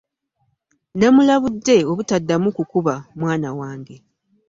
Namulabudde obutadamu kukuba mwana wange.